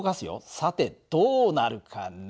さてどうなるかな？